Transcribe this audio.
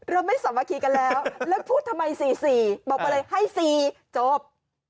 เราไม่สามัคคีกันแล้วแล้วพูดทำไมสี่สี่บอกกันเลยให้สี่จบ